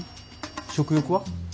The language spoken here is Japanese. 食欲は？